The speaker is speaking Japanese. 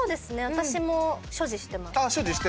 私も所持してます。